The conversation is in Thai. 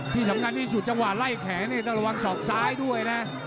ที่สำคัญที่สุดจังหวะไล่แขนนี่ต้องระวังศอกซ้ายด้วยนะ